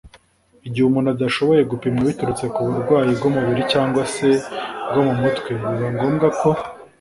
igihe umuntu adashoboye gupimwa biturutse ku burwayi bw’umubiri cyangwa se bwo mu mutwe, biba ngombwa ko: